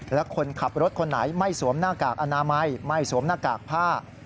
และคนขับรถคนไหนไม่สวมหน้ากากอนามัยไม่สวมหน้ากากผ้า